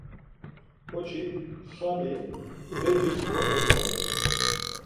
Ǩoçik xami ğecis konotsonu.